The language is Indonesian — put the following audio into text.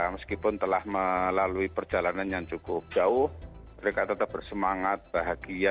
meskipun telah melalui perjalanan yang cukup jauh mereka tetap bersemangat bahagia